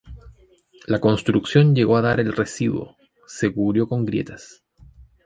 La construcción llegó a dar el residuo, se cubrió con grietas.